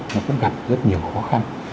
nó cũng gặp rất nhiều khó khăn